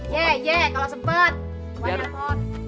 ye ye kalau sempet